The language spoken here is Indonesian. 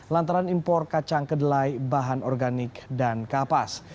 lantaran impor kacang kedelai bahan organik dan kapas